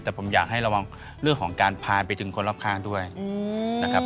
แต่ผมอยากให้ระวังเรื่องของการพายไปถึงคนรอบข้างด้วยนะครับ